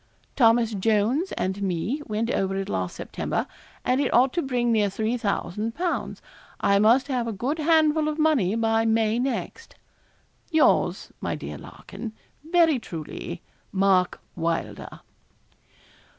Thomas Jones and me went over it last September, and it ought to bring near 3,000_l_. I must have a good handful of money by May next. 'Yours, my dear Larkin, 'Very truly, 'MARK WYLDER.'